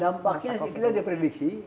dampaknya kita depredisi